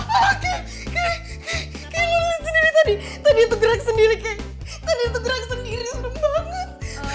gila kayaknya lo sendiri tadi tadi itu gerak sendiri kayaknya tadi itu gerak sendiri serem banget